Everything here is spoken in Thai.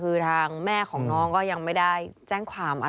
คือทางแม่ของน้องก็ยังไม่ได้แจ้งความอะไร